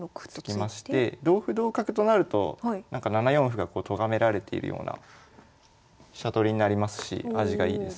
突きまして同歩同角となると７四歩がとがめられているような飛車取りになりますし味がいいですよね。